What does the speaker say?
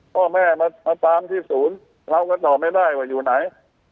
พ่อแม่มาตามที่ศูนย์เราก็ตอบไม่ได้ว่าอยู่ไหน